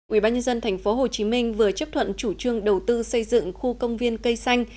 ubnd tp hcm vừa chấp thuận chủ trương đầu tư xây dựng khu công viên cây xanh